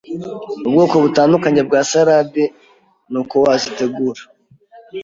ubwoko butandukanye bwa salade n’uko wazitegura